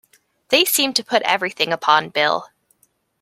They seem to put everything upon Bill!